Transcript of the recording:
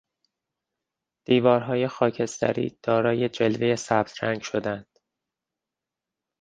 دیوارهای خاکستری دارای جلوهی سبز رنگ شدند.